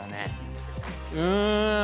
うん。